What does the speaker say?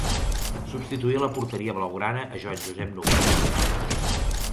Substituí a la porteria blaugrana a Joan Josep Nogués.